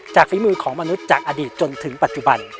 ฝีมือของมนุษย์จากอดีตจนถึงปัจจุบัน